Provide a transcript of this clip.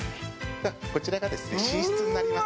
こちらがですね寝室になります。